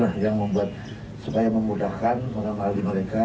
jadi itu yang membuat supaya memudahkan orang orang di mereka